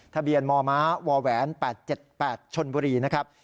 ทะเบียนมม๘๗๘ชนบุรีนะครับ